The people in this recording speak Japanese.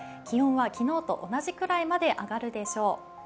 気温は昨日と同じくらいまで上がるでしょう。